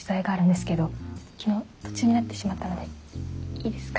昨日途中になってしまったのでいいですか？